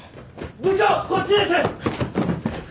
部長こっちです！